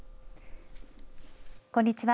こんにちは。